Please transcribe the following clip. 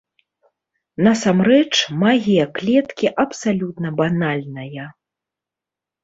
Насамрэч, магія клеткі абсалютна банальная.